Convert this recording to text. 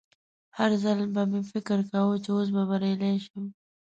هر ځل به مې فکر کاوه چې اوس به بریالی شم